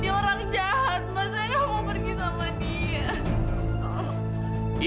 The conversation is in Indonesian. dia orang jahat saya nggak mau pergi sama dia